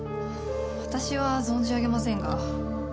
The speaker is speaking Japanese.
私は存じ上げませんが。